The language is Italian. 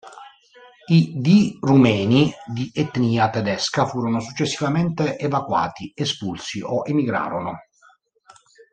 I di rumeni di etnia tedesca furono successivamente evacuati, espulsi, o emigrarono.